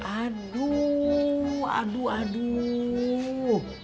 aduh aduh aduh